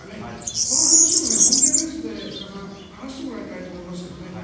この話も本音ベースで菅さん、話してもらいたいと思いますけどね。